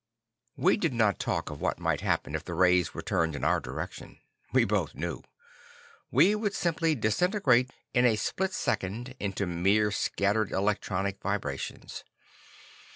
We did not talk of what might happen if the rays were turned in our direction. We both knew. We would simply disintegrate in a split second into mere scattered electronic vibrations.